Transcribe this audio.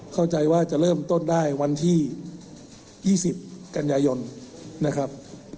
เข้าใจว่าจะเริ่มต้นได้วันที่๒๐กันยายนนะครับ